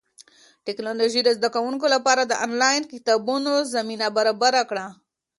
ټیکنالوژي د زده کوونکو لپاره د انلاین کتابتونونو زمینه برابره کړه.